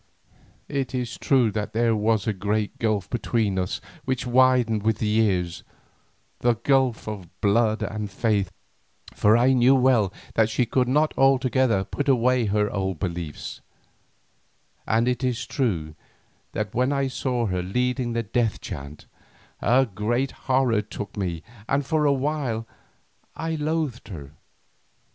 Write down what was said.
It is true that there was a great gulf between us which widened with the years, the gulf of blood and faith, for I knew well that she could not altogether put away her old beliefs, and it is true that when I saw her leading the death chant, a great horror took me and for a while I loathed her.